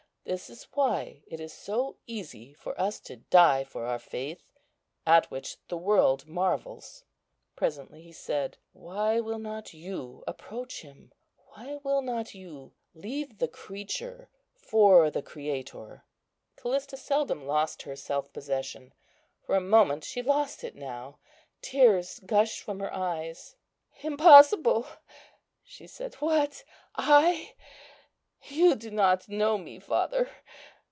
This is why it is so easy for us to die for our faith, at which the world marvels." Presently he said, "Why will not you approach Him? why will not you leave the creature for the Creator?" Callista seldom lost her self possession; for a moment she lost it now; tears gushed from her eyes. "Impossible!" she said, "what, I? you do not know me, father!"